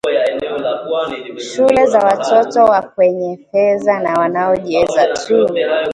shule za watoto wa wenye fedha na wanao jiweza tu